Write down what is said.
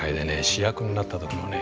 主役になった時もね